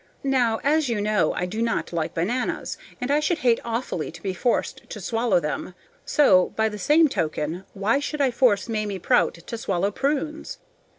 Now, as you know, I do not like bananas, and I should hate awfully to be forced to swallow them; so, by the same token, why should I force Mamie Prout to swallow prunes?